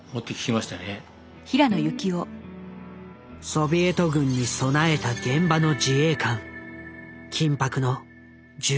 ソビエト軍に備えた現場の自衛官緊迫の１９日間。